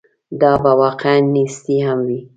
دا به واقعاً نیستي هم وي.